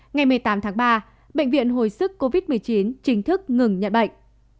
ngày một mươi tám tháng ba bệnh viện hồi sức covid một mươi chín chính thức ngừng nhận bệnh